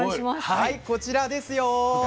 はいこちらですよ。